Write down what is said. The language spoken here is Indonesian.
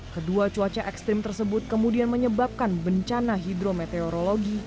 kedua cuaca ekstrim tersebut kemudian menyebabkan bencana hidrometeorologi